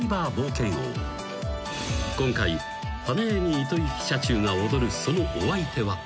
［今回花柳糸之社中が踊るそのお相手は］